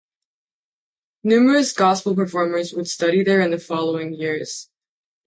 Numerous gospel performers would study there in the following years.